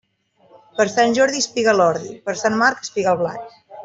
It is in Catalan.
Per Sant Jordi espiga l'ordi, per Sant Marc espiga el blat.